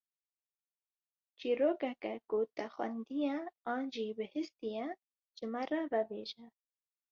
Çîrokeke ku te xwendiye an jî bihîstiye ji me re vebêje.